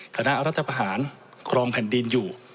คณะรัฐธรรมนูญครองแผ่นดินอยู่